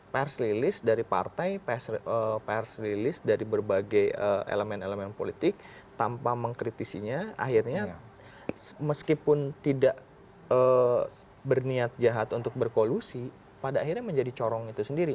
pers rilis dari partai pers rilis dari berbagai elemen elemen politik tanpa mengkritisinya akhirnya meskipun tidak berniat jahat untuk berkolusi pada akhirnya menjadi corong itu sendiri